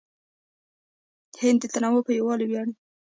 هند د تنوع په یووالي ویاړي.